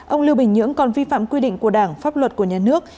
ông lưu bình nhưỡng còn vi phạm quy định của đảng pháp luật của nhà nước